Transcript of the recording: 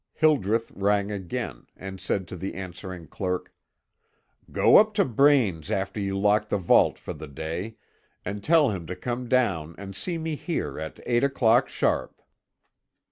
Hildreth rang again, and said to the answering clerk: "Go up to Braine's after you lock the vault for the day, and tell him to come down and see me here at eight o'clock sharp."